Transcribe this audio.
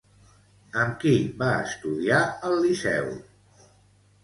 Amb qui va estudiar al Liceu?